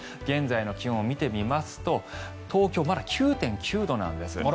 現在の気温を見てみますと東京、まだ９．９度なんです。